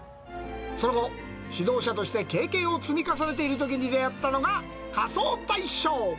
その後、指導者として経験を積み重ねているときに出会ったのが仮装大賞。